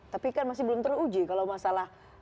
tapi kan masih belum teruji kalau masalah